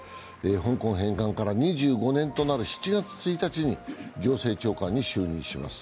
香港返還から２５年となる７月１日に行政長官に就任します。